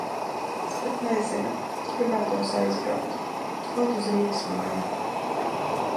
Es pat nezinu. Gribētos aizbraukt. Kaut uz Rīgas mājām.